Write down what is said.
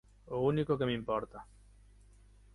O único que me importa.